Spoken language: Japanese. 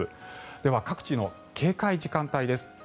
では、各地の警戒時間帯です。